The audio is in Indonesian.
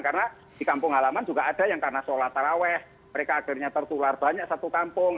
karena di kampung halaman juga ada yang karena sholat taraweh mereka akhirnya tertular banyak satu kampung